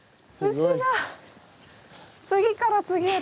牛が次から次へと。